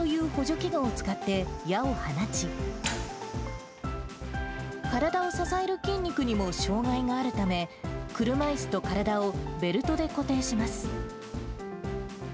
体を支える筋肉にも障がいがあるため、車いすと体をベルトで固定します。